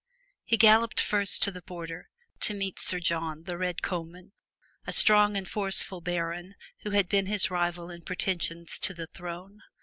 He galloped first to the border to meet Sir John, the Red Comyn, a strong and forceful baron who had been his rival in pretensions to the throne.